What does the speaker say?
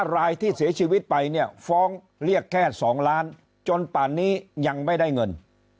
รายที่เสียชีวิตไปเนี่ยฟ้องเรียกแค่๒ล้านจนป่านนี้ยังไม่ได้เงิน